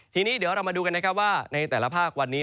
ทีนี้เดี๋ยวเรามาดูกันนะครับว่าในแต่ละภาควันนี้